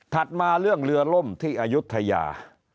มาเรื่องเรือล่มที่อายุทยา